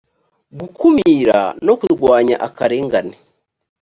gukumira no kurwanya akarengane